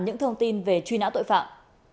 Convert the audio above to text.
những thông tin về truy nã tội phạm